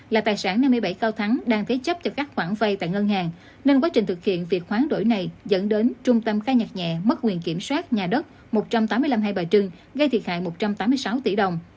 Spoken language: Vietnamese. là tài sản năm mươi bảy cao thắng đang thế chấp cho các khoản vay tại ngân hàng nên quá trình thực hiện việc hoán đổi này dẫn đến trung tâm khai nhạc nhẹ mất quyền kiểm soát nhà đất một trăm tám mươi năm hai bà trưng gây thiệt hại một trăm tám mươi sáu tỷ đồng